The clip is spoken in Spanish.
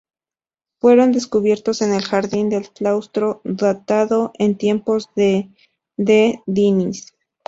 Fueron descubiertos en el jardín del claustro, datado en tiempos de D. Dinis.